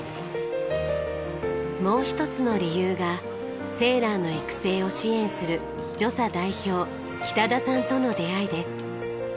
もう一つの理由がセーラーの育成を支援するＪＯＳＡ代表北田さんとの出会いです。